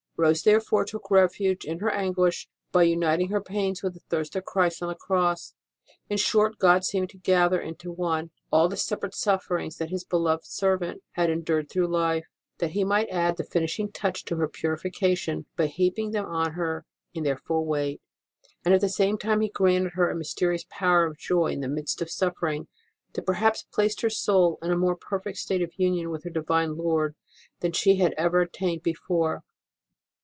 Rose therefore took refuge in her anguish by uniting her pangs with the thirst of Christ on the Cross. In short, God seemed to gather into one all the separate sufferings that His beloved servant had endured through life, that He might add the finishing touch to her purification by heaping them on her in their full weight ; and at the same time He granted her a mysterious power of joy in the midst of suffer ing that perhaps placed her soul in a more perfect HOW ROSE OF ST. MARY DIED 177 state of union with her Divine Lord than she had even attained before.